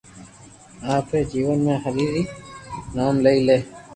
آپري جيون ۾ ھري ري نوم لي